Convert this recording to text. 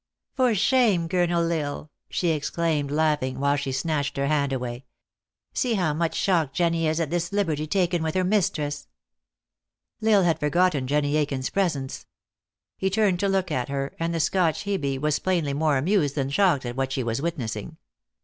" For shame, Colonel L Isle !" she exclaimed, laugh ing, while she snatched her hand away. "See how much shocked Jenny is at this liberty taken with her mistress!" L Isle had forgotten Jenny Aiken s presence. He turned to look at her, and the Scotch Hebe was plain ly more amused than shocked at what she was wit nessing.